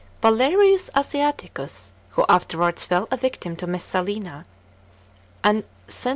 Valerius Asiaticus, who afterwards fell a victim to JVIcssalina, and Cn.